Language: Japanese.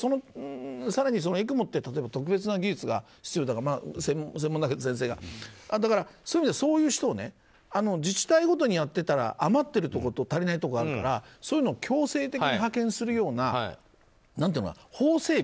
更に、ＥＣＭＯって特別な技術が必要で専門の先生がそういう意味では、そういう人を自治体ごとにやってたら余ってるところと足りないところがあるからそういうのを強制的に派遣するような法整備。